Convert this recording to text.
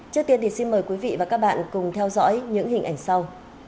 trước tiên thì xin mời quý vị và các bạn cùng theo dõi những hình ảnh sau